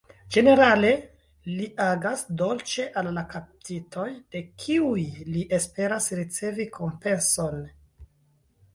Ĝenerale, li agas dolĉe al la kaptitoj, de kiuj li esperas ricevi kompenson.